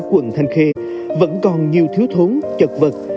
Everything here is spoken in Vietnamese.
quận thanh khê vẫn còn nhiều thiếu thốn chật vật